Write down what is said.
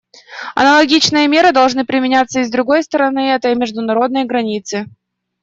Аналогичные меры должны применяться и с другой стороны этой международной границы.